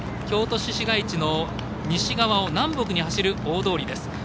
京都市市街地の西側を南北に走る大通りです。